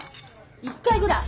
１回ぐらい。